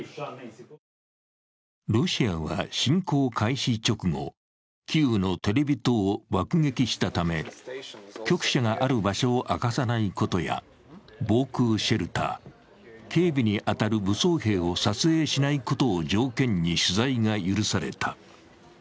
ロシアは侵攻開始直後、キーウのテレビ塔を爆撃したため、局舎がある場所を明かさないことや防空シェルター、警備に当たる武装兵を撮影しないことを条件に取材が許された。